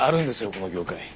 この業界。